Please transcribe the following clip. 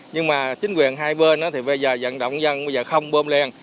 nhưng mà chính quyền hai bên thì bây giờ dẫn động dân bây giờ không bơm lên